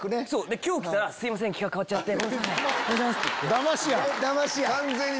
で今日来たら「すいません企画変わっちゃって」。